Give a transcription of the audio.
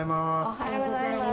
おはようございます。